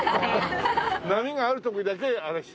波がある時だけあれして。